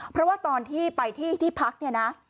เพราะว่าตอนที่ไปที่ที่พักเนี่ยนะ